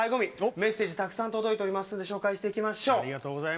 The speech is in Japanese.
メッセージがたくさん届いていますので紹介していきましょう。